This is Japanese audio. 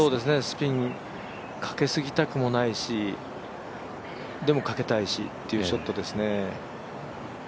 スピンかけ過ぎたくもないし、でもかけたいしっていうショットですね。